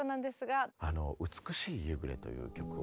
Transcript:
「美しい夕暮れ」という曲を。